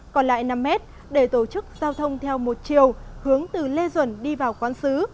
còn lại năm mét để tổ chức giao thông theo một chiều hướng từ lê duẩn đi vào quán xứ